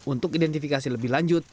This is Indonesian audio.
untuk identifikasi lebih lanjut